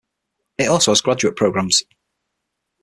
It also has graduate programs.